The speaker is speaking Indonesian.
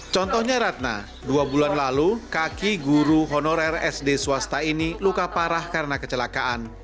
contohnya ratna dua bulan lalu kaki guru honorer sd swasta ini luka parah karena kecelakaan